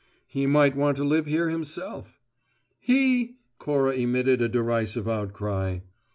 "He might want to live here himself." "He!" Cora emitted a derisive outcry.